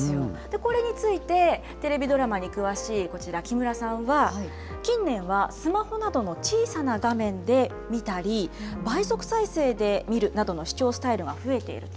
これについてテレビドラマに詳しいこちら、木村さんは、近年はスマホなどの小さな画面で見たり、倍速再生で見るなどの視聴スタイルが増えていると。